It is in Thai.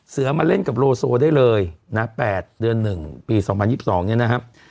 มาเล่นกับโลโซได้เลยนะ๘เดือน๑ปี๒๐๒๒เนี่ยนะครับ